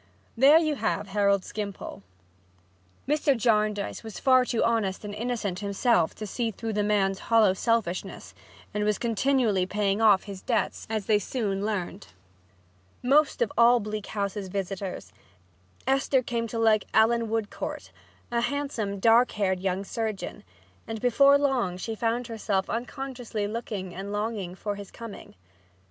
There you have Harold Skimpole." Mr. Jarndyce was far too honest and innocent himself to see through the man's hollow selfishness and was continually paying his debts, as they soon learned. Most of all Bleak House's visitors, Esther came to like Allan Woodcourt, a handsome dark haired young surgeon, and before long she found herself unconsciously looking and longing for his coming.